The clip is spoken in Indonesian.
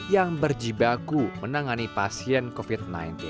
yang berjibaku menangani pasien covid sembilan belas